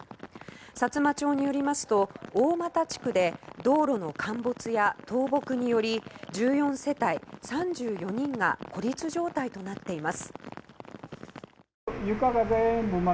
さつま町によりますと大俣地区で道路の陥没や倒木により１４世帯３４人が孤立状態となっています。